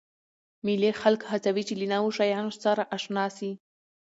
مېلې خلک هڅوي، چي له نوو شیانو سره اشنا سي.